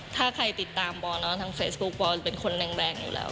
ถ้าใครติดตามบอลทางเฟซบุ๊คบอลเป็นคนแรงอยู่แล้ว